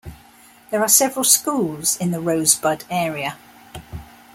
There are several schools in the Rosebud area.